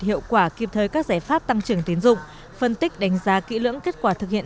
hiệu quả kịp thời các giải pháp tăng trưởng tiến dụng phân tích đánh giá kỹ lưỡng kết quả thực hiện